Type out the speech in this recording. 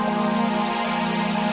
apa bukanya ini kmar njd practiceu